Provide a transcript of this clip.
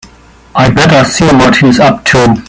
I'd better see what he's up to.